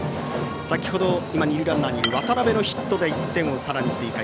先程、二塁ランナーにいる渡辺のヒットで１点をさらに追加。